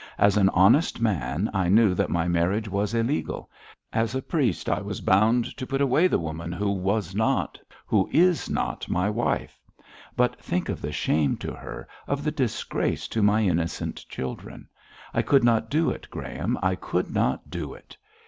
'As an honest man I knew that my marriage was illegal; as a priest I was bound to put away the woman who was not who is not my wife. But think of the shame to her, of the disgrace to my innocent children. I could not do it, Graham, I could not do it.